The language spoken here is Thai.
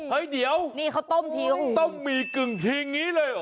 เฮ้ยเดี๋ยวต้มมีกึ่งทีนี้เลยเหรอ